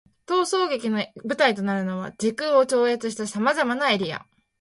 逃走劇の舞台となるのは、時空を超越した様々なエリア。